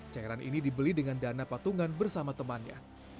cairan ini dibeli dengan dana patungan bersama temannya